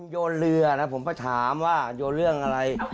โยนเรือนะผมก็ถามว่าโยนเรื่องอะไร